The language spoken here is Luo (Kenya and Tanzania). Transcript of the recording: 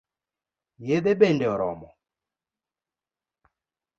Yedhe bende oromo?